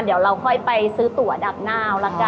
เดี๋ยวเราค่อยไปซื้อตั๋วดับหน้าเอาละกัน